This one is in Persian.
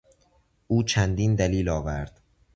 او چندین دلیل آورد.